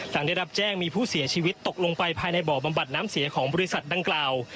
หลังได้รับแจ้งมีผู้เสียชีวิตตกลงไปภายในบ่อบำบัดน้ำเสียของบริษัทดังกล่าว